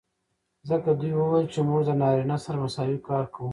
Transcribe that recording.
ځکه دوي وويل چې موږ د نارينه سره مساوي کار کو.